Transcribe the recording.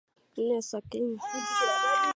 nne za Kenya